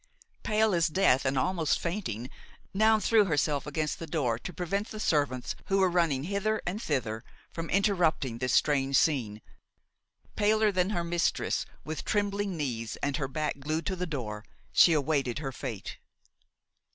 Pale as death and almost fainting, Noun threw herself against the door to prevent the servants, who were running hither and thither, from interrupting this strange scene; paler than her mistress, with trembling knees and her back glued to the door, she awaited her fate.